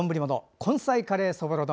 根菜カレーそぼろ丼。